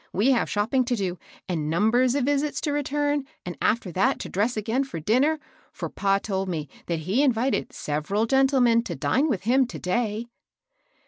We have shopping to do, and numbers of visits to return, and after that to dress again for dinner, for pa told me that he had invited several gentlemen to dine with him to day."